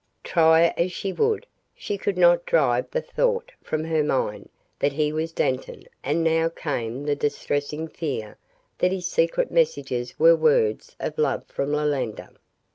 Try as she would, she could not drive the thought from her mind that he was Dantan and now came the distressing fear that his secret messages were words of love from Iolanda.